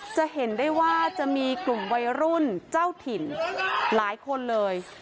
จะเห็นได้ว่าจะมีกลุ่มวัยรุ่นเจ้าถิ่นหลายคนเลย